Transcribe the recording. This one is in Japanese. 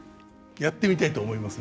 やってみたいと思います？